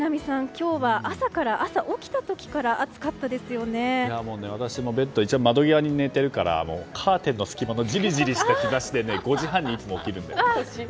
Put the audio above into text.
今日は朝起きた時から私もベッド、一応窓際に寝ているのでカーテンの隙間のじりじりした日差しで５時半にいつも起きるんです。